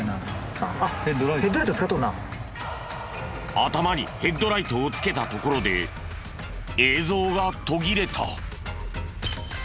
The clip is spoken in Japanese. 頭にヘッドライトをつけたところで映像が途切れた。